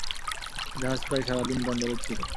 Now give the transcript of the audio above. জাহাজ প্রায় সারাদিন বন্দরে ছিল।